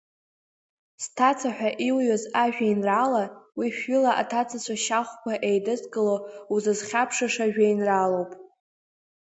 Сҭаца ҳәа иуҩыз ажәеинраала, уи шәҩыла аҭацацәа шьахәқәа еидызкыло, узызхьаԥшыша жәеинраалоуп.